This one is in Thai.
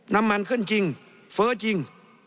น้ำมันขึ้นจริงเฟ้อจริง